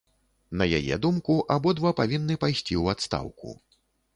На яе думку, абодва павінны пайсці ў адстаўку.